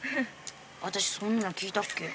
私そんなの聞いたっけ？